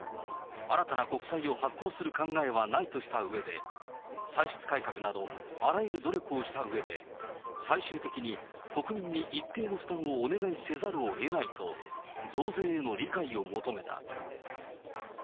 国債で歳出改革など、あらゆる努力をしたうえで、最終的に国民に一定の負担をお願いせざるをえないと、増税への理解を求めた。